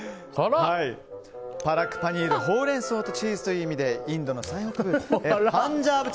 パラックパニールはほうれん草とチーズという意味でインドのパンジャーブ